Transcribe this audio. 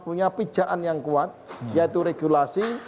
punya pijaan yang kuat yaitu regulasi